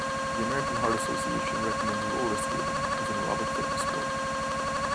The American Heart Association recommends roller skating as an aerobic fitness sport.